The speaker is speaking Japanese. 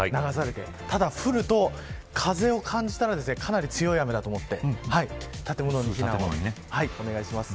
ただ降ると風を感じたらかなり強い雨だと思って建物に避難をお願いします。